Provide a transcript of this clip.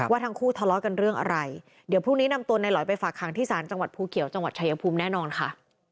ทั้งคู่ทะเลาะกันเรื่องอะไรเดี๋ยวพรุ่งนี้นำตัวนายหลอยไปฝากหางที่ศาลจังหวัดภูเขียวจังหวัดชายภูมิแน่นอนค่ะ